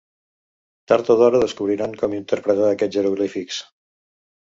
Tard o d'hora, descobriran com interpretar aquests jeroglífics.